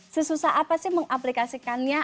sesusah apa sih mengaplikasikannya